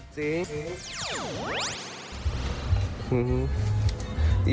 จริง